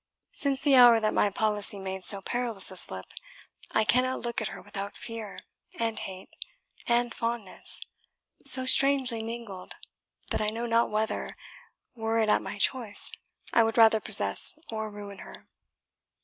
Since the hour that my policy made so perilous a slip, I cannot look at her without fear, and hate, and fondness, so strangely mingled, that I know not whether, were it at my choice, I would rather possess or ruin her.